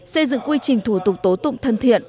xây dựng quy trình thủ tục tố tụng thân thiện